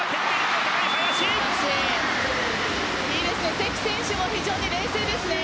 関選手も非常に冷静ですね。